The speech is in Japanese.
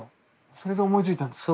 それで思いついたんですか？